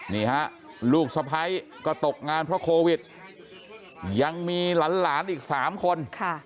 นี่ฮะลูกสะพ้ายก็ตกงานเพราะโควิดยังมีหลานอีก๓คน